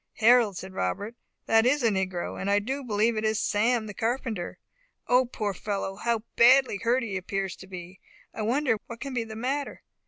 "Harold," said Robert, "that is a negro, and I do believe it is Sam, the carpenter. O poor fellow! how badly hurt he appears to be. I wonder what can be the matter!"